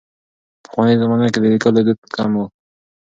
پخوانۍ زمانه کې د لیکلو دود کم و.